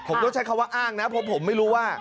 ผมต้องใช้คำว่าอ้างนะเพราะผมไม่รู้ว่า